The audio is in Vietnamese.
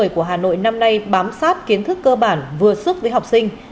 của hà nội năm nay bám sát kiến thức cơ bản vừa sức với học sinh